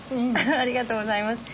ありがとうございます。